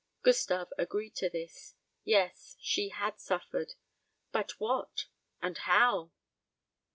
Gustave agreed to this. Yes, she had suffered; but what, and how?